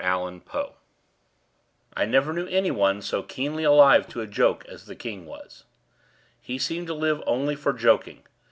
HOP FROG I never knew anyone so keenly alive to a joke as the king was. He seemed to live only for joking.